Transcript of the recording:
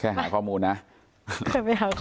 แค่หาข้อมูลนะคือไปหาข้อมูล